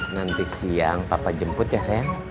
nanti siang papa jemput ya sayang